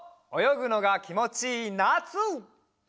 およぐのがきもちいいなつ！